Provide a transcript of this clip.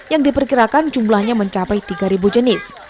yang diperkirakan jumlahnya mencapai tiga jenis